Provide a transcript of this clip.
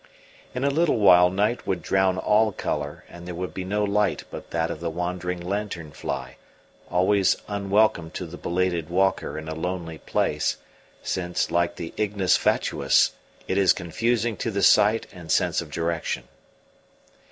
In a little while night would drown all colour, and there would be no light but that of the wandering lantern fly, always unwelcome to the belated walker in a lonely place, since, like the ignis fatuus, it is confusing to the sight and sense of direction.